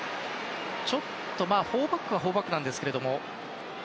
ちょっと４バックは４バックなんですけれども。